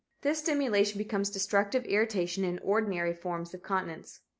This stimulation becomes destructive irritation in ordinary forms of continence.